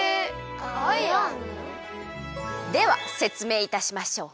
ではせつめいいたしましょう。